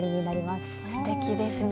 すてきですね。